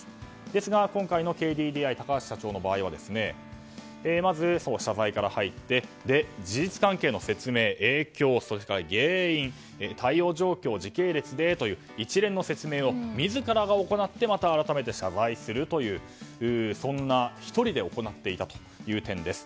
ですが今回のＫＤＤＩ高橋社長の場合はまず謝罪から入って事実関係の説明、影響それから原因対応状況を時系列で一連の説明を自らが行ってまた改めて謝罪するという１人で行っていたという点です。